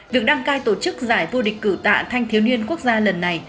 việc đăng cai tổ chức giải vô địch cử tạ thanh thiếu niên quốc gia lần này